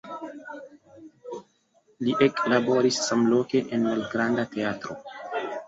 Li eklaboris samloke en malgranda teatro.